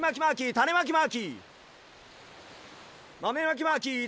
たねまきマーキー！